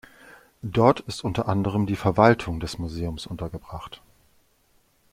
Dort ist unter anderem die Verwaltung des Museums untergebracht.